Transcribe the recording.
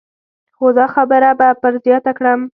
خو دا خبره به پر زیاته کړم.